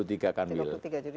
tiga puluh tiga jadi seluruh